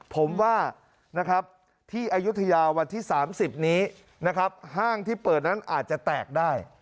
ผมว่าที่อยุธยาวันที่๓๐นี้ห้างที่เปิดนั้นอาจจะแตกได้